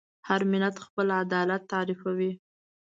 هر ملت خپل عدالت تعریفوي.